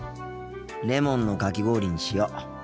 レモンのかき氷にしよう。